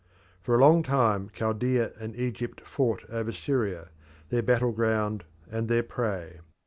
For a long time Chaldea and Egypt fought over Syria, their battle ground and their prey.